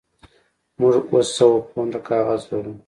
موږ اوه سوه پونډه کاغذ لرو